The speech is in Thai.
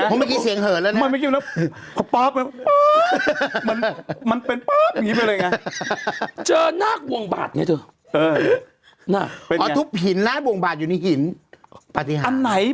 อุ๊ยมันเยอะไป